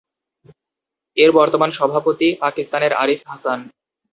এর বর্তমান সভাপতি পাকিস্তানের আরিফ হাসান।